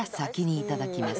いただきます。